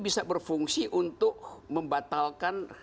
bisa berfungsi untuk membatalkan